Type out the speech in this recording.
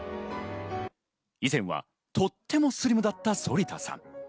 以前はとってもスリムだった反田さん。